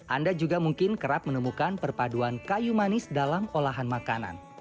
anda juga mungkin kerap menemukan perpaduan kayu manis dalam olahan makanan